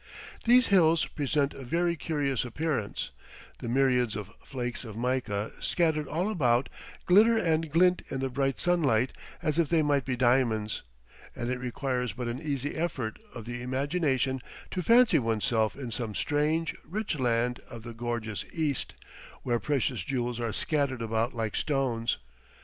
These hills present a very curious appearance; the myriads of flakes of mica scattered all about glitter and glint in the bright sunlight as if they might be diamonds, and it requires but an easy effort of the imagination to fancy one's self in some strange, rich land of the "gorgeous East," where precious jewels are scattered about like stones.